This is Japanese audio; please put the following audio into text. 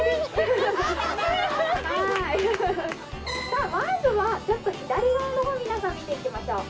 さあまずはちょっと左側の方皆さん見ていきましょう。